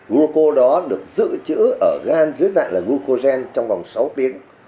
glucose đó được giữ chữ ở gan dưới dạng là glucogen trong vòng sáu tiếng